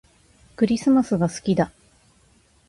クリスマスが好きだ